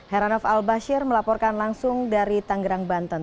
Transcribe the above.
heranov albasir melaporkan langsung dari tanggerang banten